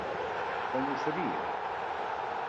Com ho sabia?